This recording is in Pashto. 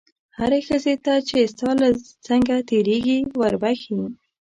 هرې ښځې ته چې ستا له څنګه تېرېږي وربښې.